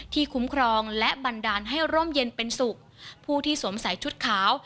คุ้มครองและบันดาลให้ร่มเย็นเป็นสุขผู้ที่สวมใส่ชุดขาว